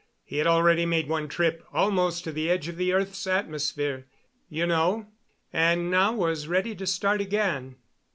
He had already made one trip almost to the edge of the earth's atmosphere, you know, and now was ready to start again."